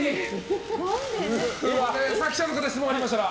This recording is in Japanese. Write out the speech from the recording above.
記者の方、質問がありましたら。